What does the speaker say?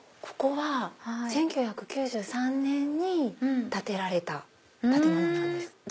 ここは１９９３年に建てられた建物なんです。